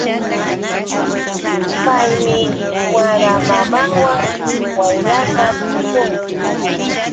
Paymi wara mamanwan waylasta tuśhunqa.